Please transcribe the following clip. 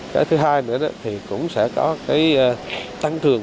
cái thứ hai nữa thì cũng sẽ có cái tăng cường